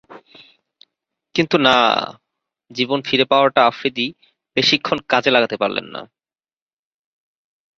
কিন্তু না, জীবন ফিরে পাওয়াটা আফ্রিদি বেশিক্ষণ কাজে লাগাতে পারলেন না।